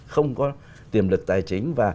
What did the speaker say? không có tiềm lực tài chính